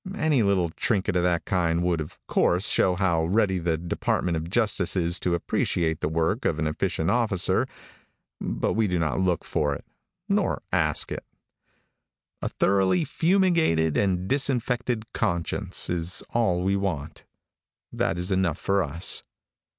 Any little trinket of that kind would, of course, show how ready the department of justice is to appreciate the work of an efficient officer, but we do not look for it, nor ask it. A thoroughly fumigated and disinfected conscience is all we want. That is enough for us.